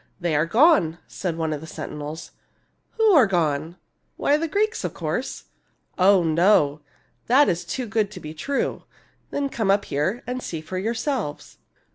" They are gone," said one of the sentinels. " Who are gone ?"" Why the Greeks, of course." " Oh, no ! That is too good to be true." " Then come up here and see for yourselves."